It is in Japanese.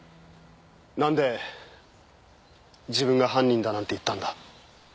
なんで自分が犯人だなんて言ったんだ？